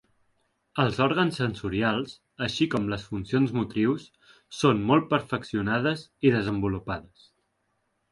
Els òrgans sensorials, així com les funcions motrius, són molt perfeccionades i desenvolupades.